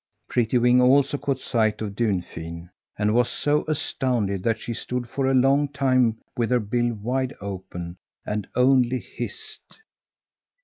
Prettywing also caught sight of Dunfin and was so astounded that she stood for a long time with her bill wide open, and only hissed.